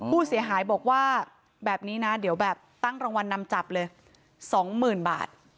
ผู้เสียหายบอกว่าแบบนี้นะเดี๋ยวแบบตั้งรางวัลนำจับเลย๒๐๐๐บาท